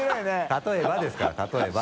例えばですから例えば。